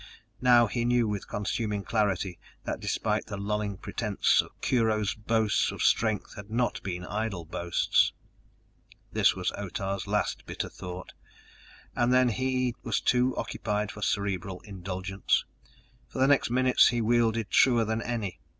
Now he knew with consuming clarity, that despite the lulling pretense Kurho's boasts of strength had not been idle boasts! This was Otah's last bitter thought, and then he was too occupied for cerebral indulgence. For the next minutes he wielded truer than any!